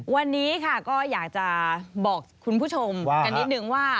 วันนี้ค่ะก็อยากจะบอกคุณผู้ชมกันนิดนึงว่า